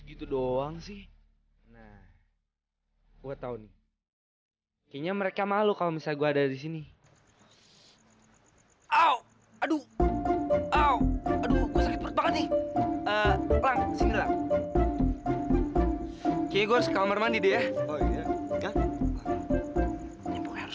itu si con ngapain sih